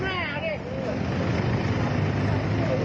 อ้าวเจ็บลงอีกเลย